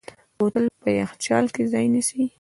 بوتل په یخچال کې ځای نیسي.